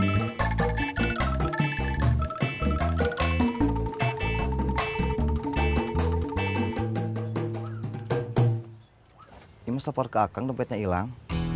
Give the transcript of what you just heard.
ini mustahak buat kakak dompetnya hilang